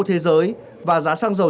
thế giới và giá xăng dầu